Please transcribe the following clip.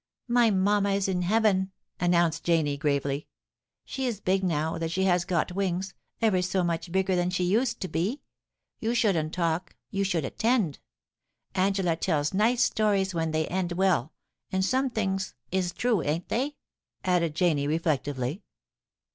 *My mamma is in heaven,' announced Janie, gravely. * She is big now that she has got wings — ever so much bigger than she used to be. You shouldn't talk — you should attend. Angela tells nice stories when they end well — and some things is true, ain't they ?' added Janie, reflec tively.